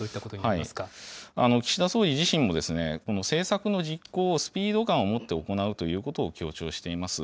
ま岸田総理自身も、政策の実行をスピード感を持って行うということを強調しています。